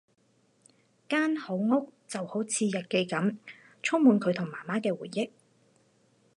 間好屋就好似日記噉，充滿佢同媽媽嘅回憶